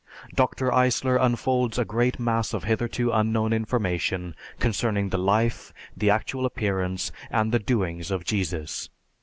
Dr. Eisler unfolds a great mass of hitherto unknown information concerning the life, the actual appearance, and the doings of Jesus.